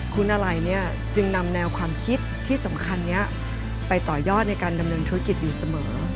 คุณอะไรเนี่ยจึงนำแนวความคิดที่สำคัญนี้ไปต่อยอดในการดำเนินธุรกิจอยู่เสมอ